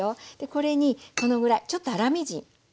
これにこのぐらいちょっと粗みじん。